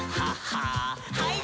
はい。